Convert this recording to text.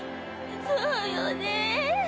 そうよね。